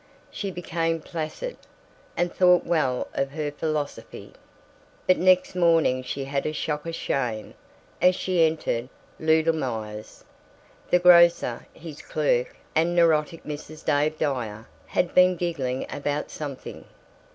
She became placid, and thought well of her philosophy. But next morning she had a shock of shame as she entered Ludelmeyer's. The grocer, his clerk, and neurotic Mrs. Dave Dyer had been giggling about something.